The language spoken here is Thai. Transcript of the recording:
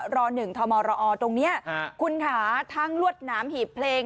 ร๑ทมรอตรงนี้คุณค่ะทั้งลวดหนามหีบเพลง